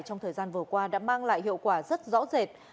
trong thời gian vừa qua đã mang lại hiệu quả rất rõ rệt